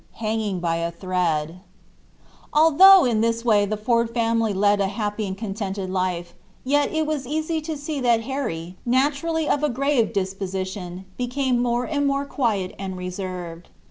HANGING BY A THREAD Although in this way the Ford family led a happy and contented life, yet it was easy to see that Harry, naturally of a grave disposition, became more and more quiet and reserved.